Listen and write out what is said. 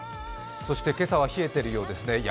そして今朝は冷えているようですね。